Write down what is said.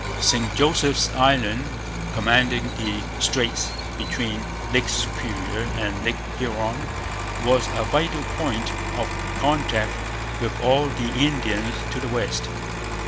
St Joseph's Island, commanding the straits between Lake Superior and Lake Huron, was a vital point of contact with all the Indians to the west.